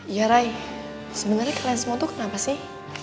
iya ray sebenernya kalian semua tuh kenapa sih